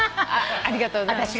ありがとうございます。